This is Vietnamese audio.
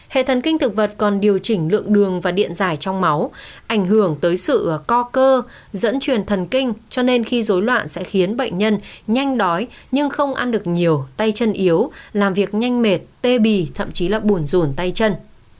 hệ thần kinh thực vật còn điều chỉnh lượng đường và điện dài trong máu ảnh hưởng tới sự co cơ dẫn truyền thần kinh cho nên khi dối loạn sẽ khiến bệnh nhân nhanh đói nhưng không ăn được nhiều tay chân yếu làm việc nhanh mệt tê bì thậm chí là bùn rồn tay chân